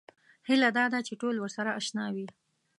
هیله دا ده چې ټول ورسره اشنا وي.